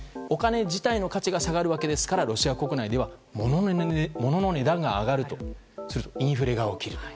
お金自体の価値が下がるのでロシア国内では物の値段が上がってインフレが起きる。